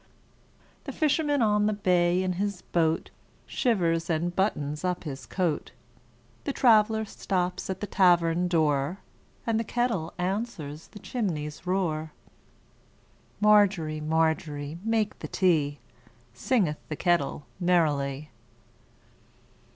The fisherman on the bay in his boatShivers and buttons up his coat; The traveller stops at the tavern door, And the kettle answers the chimney's roar. Margery, Margery, make the tea, Singeth the kettle merrily.